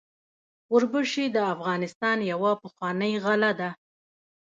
وربشې د افغانستان یوه پخوانۍ غله ده.